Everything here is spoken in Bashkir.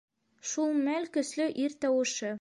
Шул мәл көслө ир тауышы: